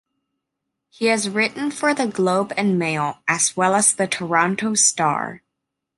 He has written for the Globe and Mail as well as the Toronto Star.